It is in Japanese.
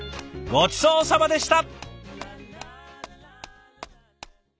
ごちそうさまでした。